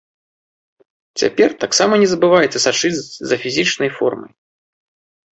Цяпер таксама не забываецца сачыць за фізічнай формай.